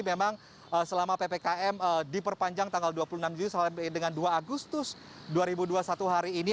memang selama ppkm diperpanjang tanggal dua puluh enam juli sampai dengan dua agustus dua ribu dua puluh satu hari ini